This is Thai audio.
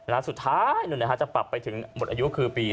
แล้วสุดท้ายจะปรับไปถึงหมดอายุคือปี๒๕